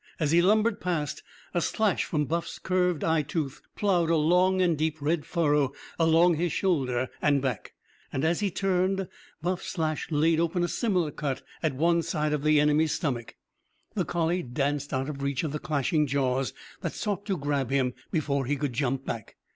As he lumbered past, a slash from Buff's curved eyetooth ploughed a long and deep red furrow along his shoulder and back. And, as he turned, Buff's slash laid open a similar cut at one side of the enemy's stomach. The collie danced out of reach of the clashing jaws that sought to grab him before he could jump back.